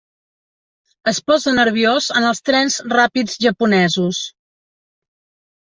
Es posa nerviós en els trens ràpids japonesos.